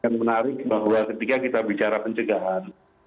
yang menarik bahwa ketika kita bicara pencegahan